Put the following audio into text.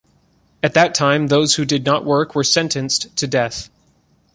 At that time, those who did not work were sentenced to death.